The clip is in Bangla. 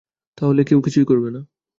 তাহলে, কেউ কি কিছুই করবে না?